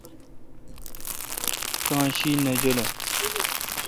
کان شی نہ جولہ۔